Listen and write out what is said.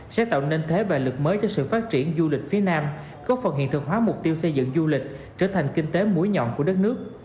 sẽ tạo nên thế và lực mới cho sự phát triển du lịch phía nam góp phần hiện thực hóa mục tiêu xây dựng du lịch trở thành kinh tế mũi nhọn của đất nước